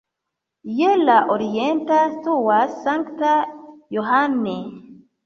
Je la orienta situas Sankta Johann.